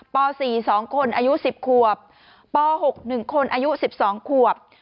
ป๔สองคนอายุ๑๐ขวบป๖หนึ่งคนอายุ๑๒ขวบ